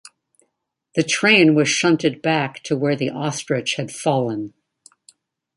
The train was shunted back to where the ostrich had fallen.